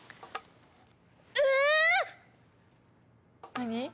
「何？」